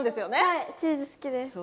はいチーズ好きです。